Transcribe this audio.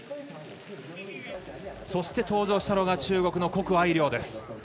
そして登場したのが中国の谷愛凌です。